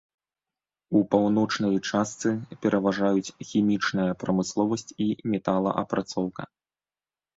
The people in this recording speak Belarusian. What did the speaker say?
У паўночнай частцы пераважаюць хімічная прамысловасць і металаапрацоўка.